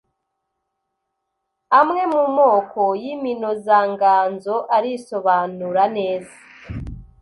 Amwe mu moko y’iminozanganzo arisobanura neza